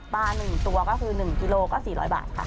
๑ตัวก็คือ๑กิโลก็๔๐๐บาทค่ะ